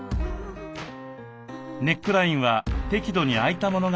ネックラインは適度に開いたものが似合います。